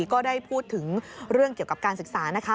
ก็ได้พูดถึงเรื่องเกี่ยวกับการศึกษานะคะ